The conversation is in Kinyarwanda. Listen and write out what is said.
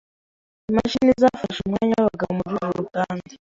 Imashini zafashe umwanya wabagabo mururu ruganda.